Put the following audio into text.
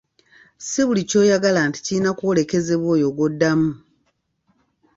Si buli ky'oyagala nti kirina okwolekezebwa oyo gw'oddamu.